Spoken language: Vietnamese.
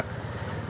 tuy nhiên thực tế